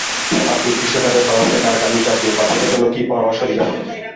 আপনি কৃষি খাতের তরফ থেকে আগামী জাতীয় বাজেটের জন্য কী পরামর্শ দেবেন?